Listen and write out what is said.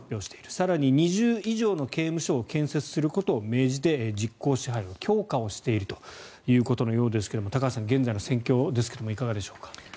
更に２０以上の刑務所を建設することを命じて実効支配を強化しているということのようですが高橋さん、現在の戦況ですがいかがでしょうか。